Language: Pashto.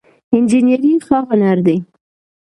انجينري ښه هنر دی